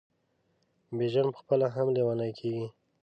بیژن پخپله هم لېونی کیږي.